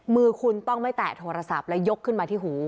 มือคุณต้องไม่แตะโทรศัพท์และยกขึ้นมาที่หู